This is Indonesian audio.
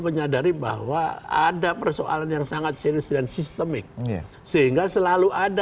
menyadari bahwa ada persoalan yang sangat serius dan sistemik sehingga selalu ada